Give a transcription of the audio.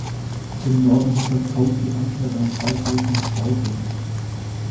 Im Norden hat das County Anteil an zwei großen Stauseen.